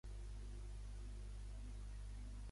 X La preposició que més toquen els carters, de cinc lletres.